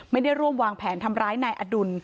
ไม่ได้ร่วมวางแผนทำร้ายนายอดุล